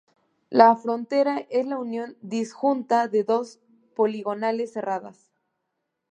La frontera es la unión disjunta de dos poligonales cerradas.